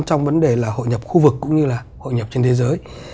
trong vấn đề là hội nhập khu vực cũng như là hội nhập trên thế giới